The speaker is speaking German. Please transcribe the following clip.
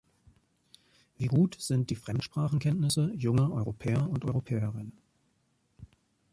Wie gut sind die Fremdsprachenkenntnisse junger Europäer und Europäerinnen?